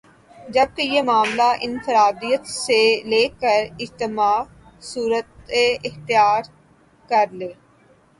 جبکہ یہ معاملہ انفراد عیت سے ل کر اجتماع صورت اختیار کر لے